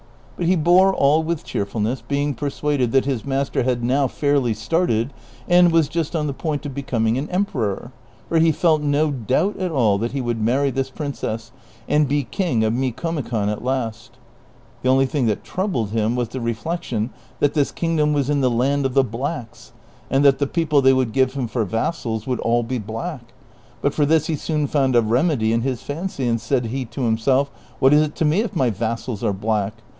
But he bore all with cheerfulness, being persuaded that his master had now fairly started and was just on the point of becoming an emperor ; for he felt no doubt at all that he would marry this princess, and be king of Micomi con at least. The only thing tliat troubled him was the reflec tion that this kingdom was in the land of the blacks, and that the people they would give him for vassals would all be black ; but for this he soon found a remedy in his fancy, and said he to himself, ''■ AVhat is it to me if my vassals are blacks